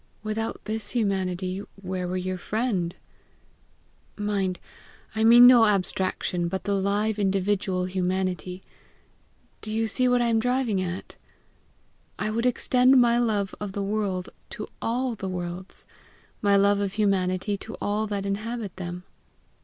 Without this humanity where were your friend? Mind, I mean no abstraction, but the live individual humanity. Do you see what I am driving at? I would extend my love of the world to all the worlds; my love of humanity to all that inhabit them.